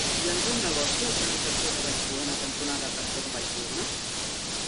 Hi ha algun negoci al carrer Rector de Vallfogona cantonada Rector de Vallfogona?